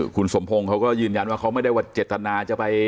คุณสมพงศ์เขาก็ยืนยันว่า